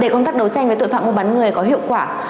để công tác đấu tranh với tội phạm mua bán người có hiệu quả